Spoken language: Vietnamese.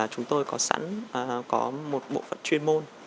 chúng tôi có sẵn một bộ phận chuyên môn